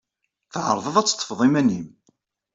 Tɛerḍeḍ ad teḍḍfeḍ iman-nnem.